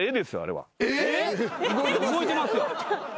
動いてますよ。